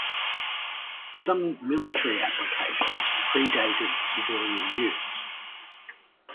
Some military applications pre-dated civilian use.